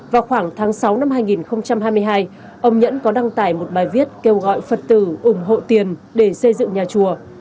vào khoảng tháng sáu năm hai nghìn hai mươi hai ông nhẫn có đăng tải một bài viết kêu gọi phật tử ủng hộ tiền để xây dựng nhà chùa